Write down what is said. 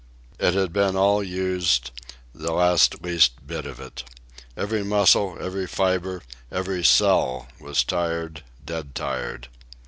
It had been all used, the last least bit of it. Every muscle, every fibre, every cell, was tired, dead tired.